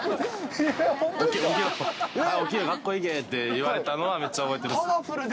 はよ起きろ、学校行けって言われたのは、めっちゃ覚えてます。